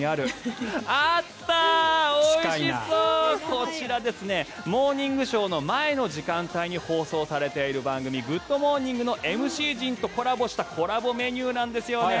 こちら、「モーニングショー」の前の時間帯に放送されている番組「グッド！モーニング」のＭＣ陣とコラボしたコラボメニューなんですよね。